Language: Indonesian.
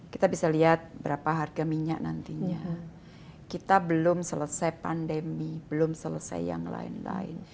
kita bisa lihat berapa harga minyak nantinya kita belum selesai pandemi belum selesai yang lain lain